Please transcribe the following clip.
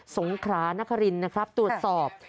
สงขรานครินนะครับตรวจสอบ